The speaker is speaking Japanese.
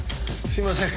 すいません